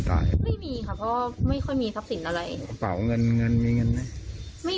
ตายค่ะพ่อไม่ค่อยมีทักสินอะไรเบาเงินเงินมีเงินเลยไม่